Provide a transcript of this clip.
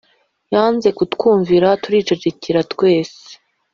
Yanze kutwumvira turicecekera twese